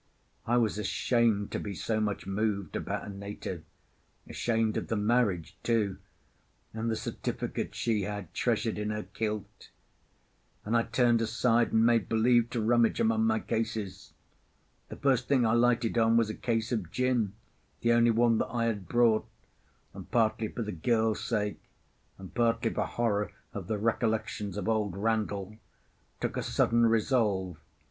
I was ashamed to be so much moved about a native, ashamed of the marriage too, and the certificate she had treasured in her kilt; and I turned aside and made believe to rummage among my cases. The first thing I lighted on was a case of gin, the only one that I had brought; and, partly for the girl's sake, and partly for horror of the recollections of old Randall, took a sudden resolve.